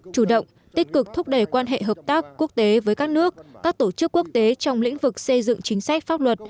chủ động tích cực thúc đẩy quan hệ hợp tác quốc tế với các nước các tổ chức quốc tế trong lĩnh vực xây dựng chính sách pháp luật